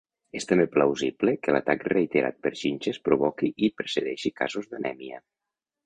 És també plausible que l'atac reiterat per xinxes provoqui i precedeixi casos d'anèmia.